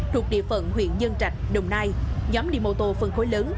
thuộc địa phận huyện nhân trạch đồng nai nhóm đi mô tô phân khối lớn